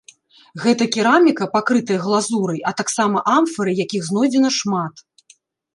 Гэта кераміка, пакрытая глазурай, а таксама амфары, якіх знойдзена шмат.